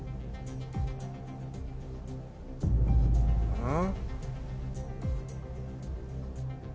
うん。